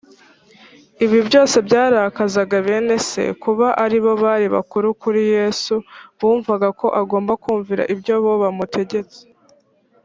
Ibi byose byarakazaga bene se. Kuba aribo bari bakuru kuri Yesu, bumvaga ko agomba kumvira ibyo bo bamutegetse.